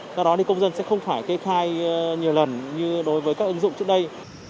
sau đó công dân sẽ không phải kê khai nhiều lần như đối với các ứng dụng trước đây